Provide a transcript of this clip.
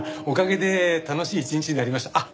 おかげで楽しい一日になりました。